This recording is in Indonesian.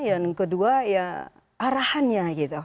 dan kedua ya arahannya gitu